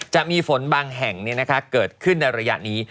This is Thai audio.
จะมีฝนบางแห่งเนี่ยนะคะเกิดขึ้นในระยะนี้